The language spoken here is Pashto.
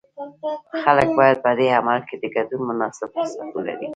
خلک باید په دې عمل کې د ګډون مناسب فرصت ولري.